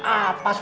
apa sepuluh juta